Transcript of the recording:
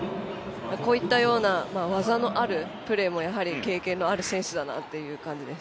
こういったような技のあるプレーもやはり経験のある選手だなという感じです。